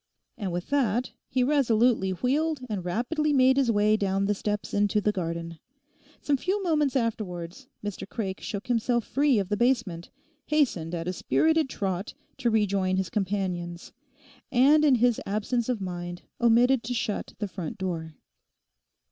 And with that he resolutely wheeled and rapidly made his way down the steps into the garden. Some few moments afterwards Mr Craik shook himself free of the basement, hastened at a spirited trot to rejoin his companions, and in his absence of mind omitted to shut the front door.